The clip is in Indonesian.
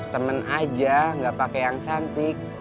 temen aja nggak pakai yang cantik